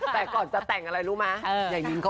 แต่ก่อนจะแต่งอะไรรู้ไหม